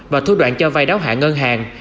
và thu đoạn cho vai đáo hạ ngân hàng